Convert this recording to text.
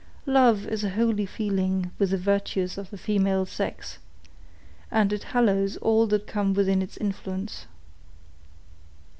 Love is a holy feeling with the virtuous of the female sex, and it hallows all that come within its influence.